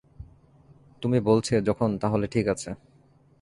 তুমি বলছে যখন তাহলে ঠিক আছে।